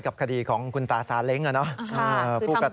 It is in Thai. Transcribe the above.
ทั้ง๒กระดีเนี่ยนะครับ